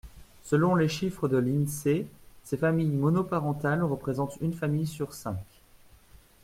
Selon les chiffres de l’INSEE, ces familles monoparentales représentent une famille sur cinq.